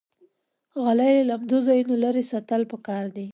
غالۍ له لمدو ځایونو لرې ساتل پکار دي.